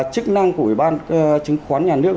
chức năng của ủy ban chứng khoán nhà nước